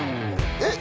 えっ